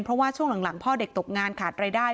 เพราะว่าช่วงหลังพ่อเด็กตกงานขาดรายได้